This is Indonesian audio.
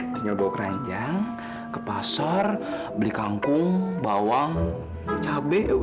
penyelbau keranjang ke pasar beli kangkung bawang cabai ya bu